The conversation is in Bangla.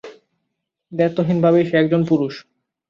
দ্ব্যর্থহীনভাবেই, সে একজন পুরুষ।